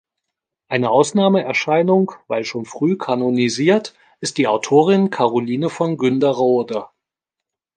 Eine Ausnahmeerscheinung, weil schon früh kanonisiert, ist die Autorin Karoline von Günderrode.